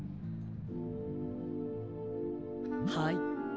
はい。